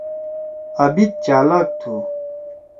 عابد چالاک تُھو۔